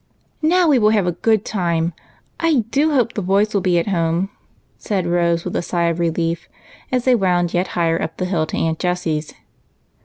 " Now we will have a good time ! I do hope the boys will be at home," said Rose, with a sigh of relief, as they wound yet higher up the hill to Aunt Jessie's.